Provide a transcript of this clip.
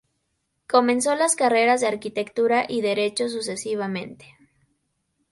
Comenzó las carreras de arquitectura y derecho, sucesivamente.